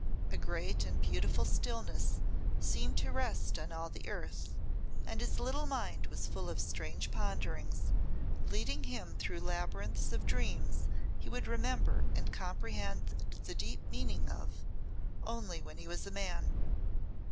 A great and beautiful stillness seemed to rest on all the earth, and his little mind was full of strange ponderings, leading him through labyrinths of dreams he would remember and comprehend the deep meaning of only when he was a man.